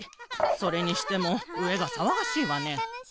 それにしてもうえがさわがしいわね。